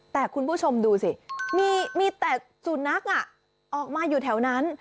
แต่คุณผู้ชมดูสิมีแต่สุนัขออกมาอยู่แถวนั้น